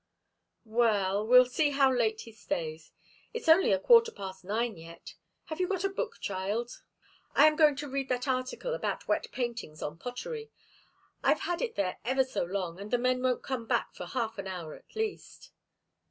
"Well we'll see how late he stays. It's only a quarter past nine yet. Have you got a book, child? I am going to read that article about wet paintings on pottery I've had it there ever so long, and the men won't come back for half an hour at least."